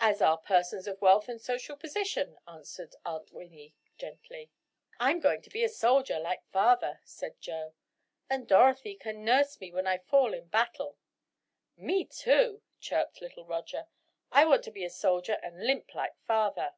"As are persons of wealth and social position," answered Aunt Winnie, gently. "I'm going to be a soldier, like father," said Joe, "and Dorothy can nurse me when I fall in battle." "Me, too," chirped little Roger, "I want to be a soldier and limp like father!"